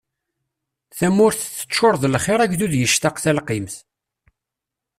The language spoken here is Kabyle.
Tamurt teččur d lxiṛ agdud yectaq talqimt.